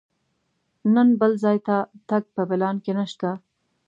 نن بل ځای ته تګ په پلان کې نه شته.